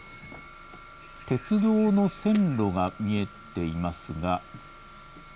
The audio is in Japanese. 鉄道の線路が見えていますが。